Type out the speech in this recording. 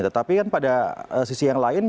tetapi kan pada sisi yang lain